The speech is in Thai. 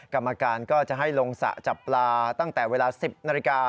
กรรมการก็จะให้ลงสระจับปลาตั้งแต่เวลา๑๐นาฬิกา